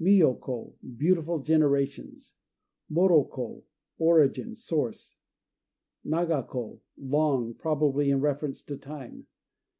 Miyo ko "Beautiful Generations." Moto ko "Origin," source. Naga ko "Long," probably in reference to time.